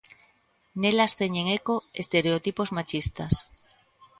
Nelas teñen eco estereotipos machistas.